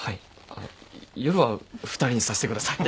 あの夜は２人にさせてください。